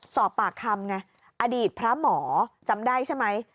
สอบปากคำไงอดีตพระหมอจำได้ใช่ไหม